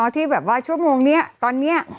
ที่ชั่วโมงตอนนี้